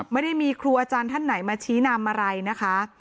ไม่ได้มีครูอาจารย์ท่านไหนมาชี้นำอะไรนะคะ